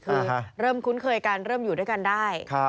คือเริ่มคุ้นเคยกันเริ่มอยู่ด้วยกันได้